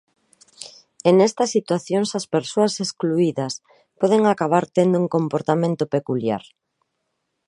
E nestas situacións as persoas excluídas poden acabar tendo un comportamento peculiar.